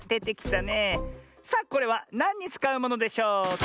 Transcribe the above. さあこれはなんにつかうものでしょうか？